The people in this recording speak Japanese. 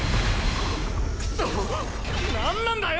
くそっ何なんだよ！